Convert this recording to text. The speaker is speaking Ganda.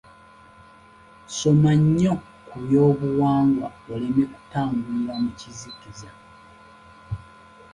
Soma nnyo ku byobuwangwa oleme kutambulira mu kizikiza.